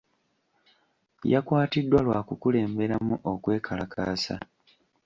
Yakwatiddwa lwa kukulemberamu okwekalakaasa.